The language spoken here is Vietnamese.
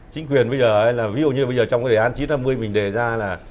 chính quyền bây giờ là ví dụ như bây giờ trong cái đề án chín trăm năm mươi mình đề ra là